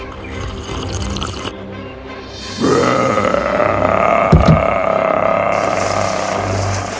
tuhan ada di sini